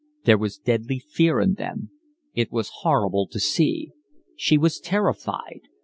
There was deadly fear in them. It was horrible to see. She was terrified.